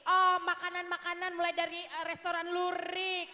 oh makanan makanan mulai dari restoran lurik